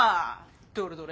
どれどれ？